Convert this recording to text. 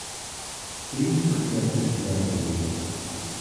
These were connected to driving wheels.